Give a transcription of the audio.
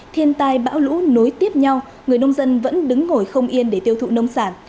thiên tai bão lũ nối tiếp nhau người nông dân vẫn đứng ngồi không yên để tiêu thụ nông sản